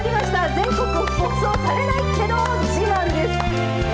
全国放送されないけどじまんです。